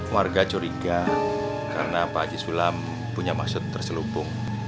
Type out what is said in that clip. warga curiga karena pak haji sulam punya maksud terselubung